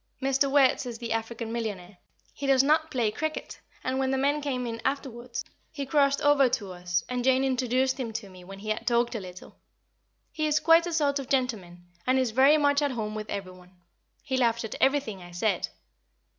Mr. Wertz is the African millionaire. He does not play cricket, and, when the men came in afterwards, he crossed over to us, and Jane introduced him to me when he had talked a little. He is quite a sort of gentleman, and is very much at home with every one. He laughed at everything I said.